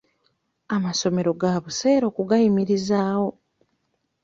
Amasomero ga buseere okugayimirizaawo.